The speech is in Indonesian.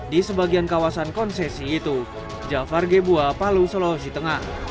di sebagian kawasan konsesi itu jafar gebuwa palu selosan